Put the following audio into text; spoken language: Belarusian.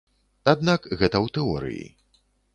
Аднак гэта ў тэорыі.